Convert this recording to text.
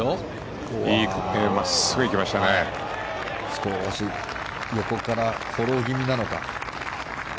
少し横からフォロー気味なのか。